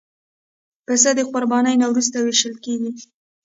پسه د قربانۍ نه وروسته وېشل کېږي.